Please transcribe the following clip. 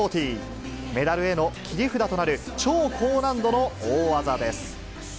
メダルへの切り札となる超高難度の大技です。